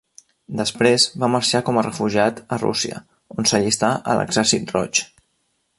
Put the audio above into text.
Després va marxar com a refugiat a Rússia, on s'allistà a l'Exèrcit Roig.